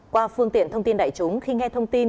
qua phương tiện thông tin đại chúng khi nghe thông tin